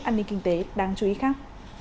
an ninh kinh tế đang chú ý khác